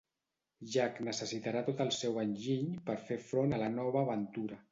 Jack necessitarà tot el seu enginy per fer front a la nova aventura.